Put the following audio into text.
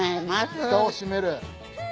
ふたを閉める。